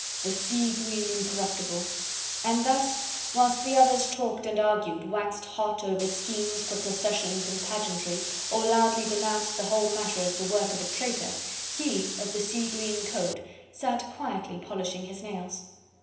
The sea green Incorruptible! And thus whilst others talked and argued, waxed hot over schemes for processions and pageantry, or loudly denounced the whole matter as the work of a traitor, he, of the sea green coat, sat quietly polishing his nails.